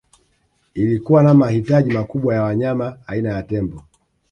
Ilikuwa na mahitaji makubwa ya wanyama aina ya tembo